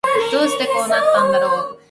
どうしてこうなったんだろう